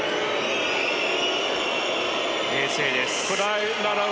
冷静です。